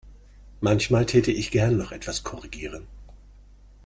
Manchmal täte ich gern noch etwas korrigieren.